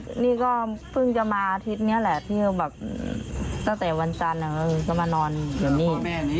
ก็เล่นนี่ก็เพิ่งจะมาอาทิตย์แหละที่แบบตั้งแต่วันจันทร์นี่